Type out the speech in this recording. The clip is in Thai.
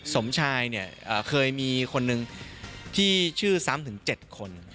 สมชายเนี่ยเคยมีคนหนึ่งที่ชื่อซ้ำถึง๗คน